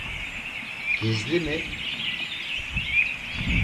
Gizli mi?